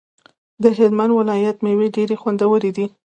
د هلمند ولایت ميوی ډيری خوندوری دی